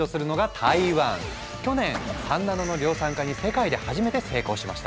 去年３ナノの量産化に世界で初めて成功しました。